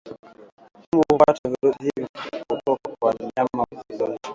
Mbu hupata virusi hivi kutoka kwa mnyama mgonjwa